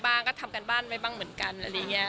ก็ทำการบ้านไว้บ้างเหมือนกันอะไรอย่างนี้